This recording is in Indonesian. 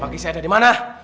pagi saya ada di mana